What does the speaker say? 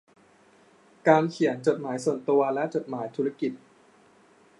การเขียนจดหมายส่วนตัวและจดหมายธุรกิจ